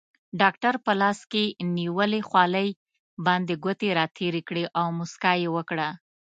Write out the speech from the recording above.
ډاکټر په لاس کې نیولې خولۍ باندې ګوتې راتېرې کړې او موسکا یې وکړه.